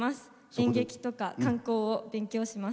演劇とか観光を勉強します。